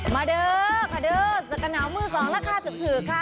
เด้อค่ะเด้อสักกระหนาวมือสองแล้วค่ะถือค่ะ